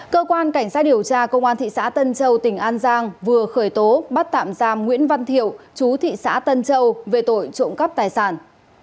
cơ quan cảnh sát điều tra công an thị xã tân châu tỉnh an giang vừa khởi tố bắt tạm giam nguyễn văn thiệu chú thị xã tân châu về tội trộm cắp tài sản